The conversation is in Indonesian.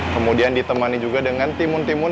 kemudian ditemani juga dengan timun timun